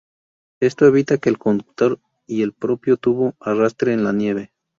Esto evita que el conductor y el propio tubo arrastre en la nieve.